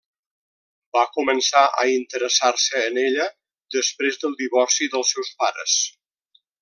Va començar a interessar-se en ella després del divorci dels seus pares.